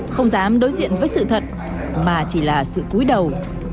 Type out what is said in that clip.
không dám đối diện với sự thật mà chỉ là sự cúi đầu